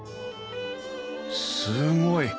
すごい！